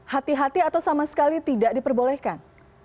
hati hati atau sama sekali tidak diperbolehkan